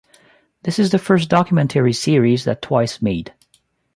This is the first documentary series that Twice made.